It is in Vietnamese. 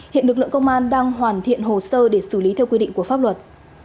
hiện lực lượng công an đang hoàn thiện hồ sơ để xử lý theo quy định của pháp luật